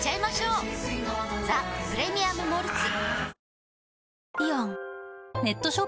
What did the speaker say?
「ザ・プレミアム・モルツ」